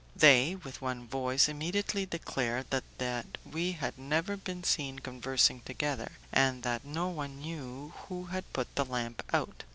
They, with one voice, immediately declared that we had never been seen conversing together, and that no one knew who had put the lamp out.